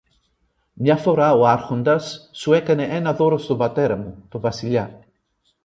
Μια φορά ο Άρχοντας σου έκανε ένα δώρο στον πατέρα μου, το Βασιλιά.